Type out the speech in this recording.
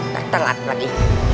tak telat lagi